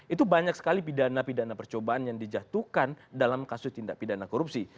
itu banyak sekali pidana pidana percobaan yang dijatuhkan dalam kasus tindak pidana korupsi